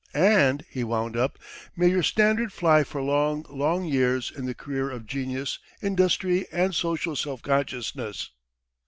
"And," he wound up, "may your standard fly for long, long years in the career of genius, industry, and social self consciousness."